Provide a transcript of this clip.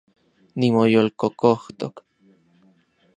Nimoyolkokojtok